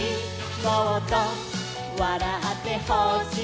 「もっとわらってほしい」